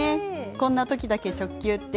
こんな時だけ直球って。